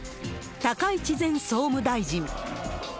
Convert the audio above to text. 高市前総務大臣。